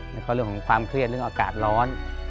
แล้วก็เรื่องของความเครียดเรื่องอากาศร้อน